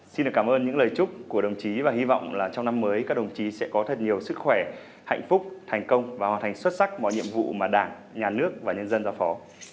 xin được cảm ơn những lời chúc của đồng chí và hy vọng là trong năm mới các đồng chí sẽ có thật nhiều sức khỏe hạnh phúc thành công và hoàn thành xuất sắc mọi nhiệm vụ mà đảng nhà nước và nhân dân giao phó